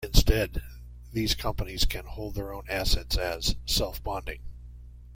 Instead, these companies can hold their own assets as "self-bonding".